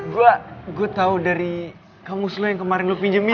gue tahu dari kamus lo yang kemarin lo pinjemin